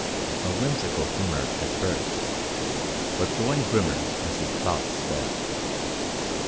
A whimsical humour at first, but growing grimmer as his thoughts sped.